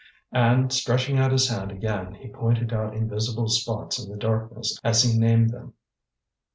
And stretching out his hand again he pointed out invisible spots in the darkness as he named them.